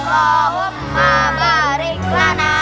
allahumma barik lana